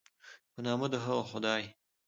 په نامه د هغه خدای